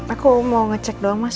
aku mau ngecek doang mas